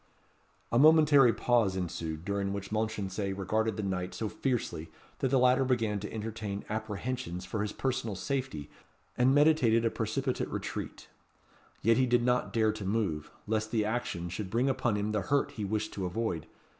A momentary pause ensued, during which Mounchensey regarded the knight so fiercely, that the latter began to entertain apprehensions for his personal safety, and meditated a precipitate retreat. Yet he did not dare to move, lest the action should bring upon him the hurt he wished to avoid.